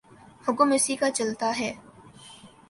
حکم اسی کا چلتاہے۔